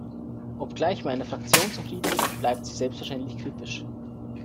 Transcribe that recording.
Obgleich meine Fraktion zufrieden ist, bleibt sie selbstverständlich kritisch.